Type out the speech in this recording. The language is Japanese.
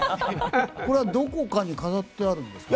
これはどこかに飾ってあるんですか？